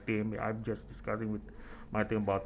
saya hanya berbicara dengan tim saya tentang